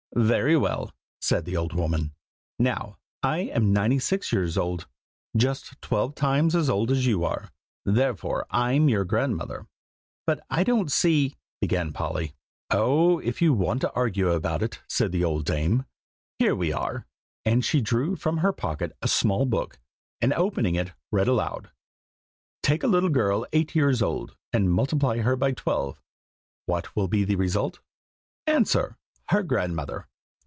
"Very well!" said the old woman; "now I am ninety six years old, just twelve times as old as you are; therefore, I'm your grandmother." "But I don't see " began Polly. "Oh, if you want to argue about it," said the old dame, "here we are," and she drew from her pocket a small book, and opening it, read aloud, "Take a little girl eight years old, and multiply her by twelve; what will be the result? Answer: her grandmother.